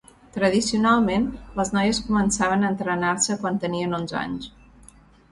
Tradicionalment, les noies començaven a entrenar-se quan tenien onze anys.